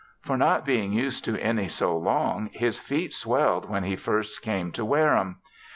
For not being used to any so long, his feet swelled when he first came to wear 'em.